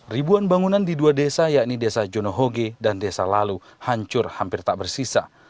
ribuan bangunan di dua desa yakni desa jonohoge dan desa lalu hancur hampir tak bersisa